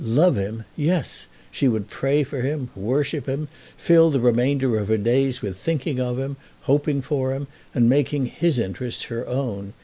Love him! Yes; she would pray for him, worship him, fill the remainder of her days with thinking of him, hoping for him, and making his interests her own.